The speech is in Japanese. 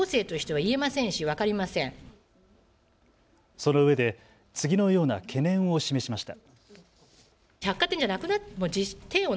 そのうえで次のような懸念を示しました。